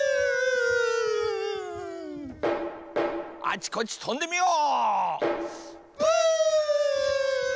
あちこちとんでみよう！